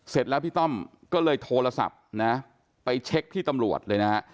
เสร็จแล้วพี่ต้อมก็เลยโทรศัพท์นะไปเช็คที่ตำรวจเลยนะฮะ